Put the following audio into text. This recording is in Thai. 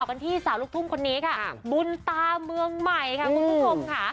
กันที่สาวลูกทุ่งคนนี้ค่ะบุญตาเมืองใหม่ค่ะคุณผู้ชมค่ะ